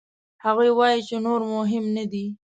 هغوی وايي چې نور مهم نه دي.